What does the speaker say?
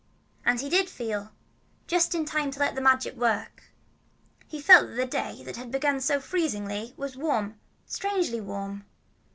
And he did feel, just in time to let the Magic work. He felt that the day that had begun so freezingly was warm, strangely warm.